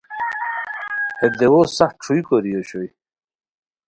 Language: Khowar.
ہے دیوؤ سخت ݯھوئی کوری اوشوئے